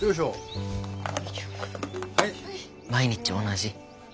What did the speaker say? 毎日同じ。